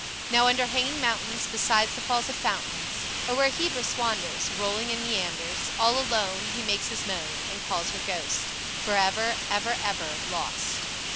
Now under hanging mountains, Beside the falls of fountains, Or where Hebrus wanders, Rolling in meanders, All alone, He makes his moan, And calls her ghost, Forever, ever, ever lost!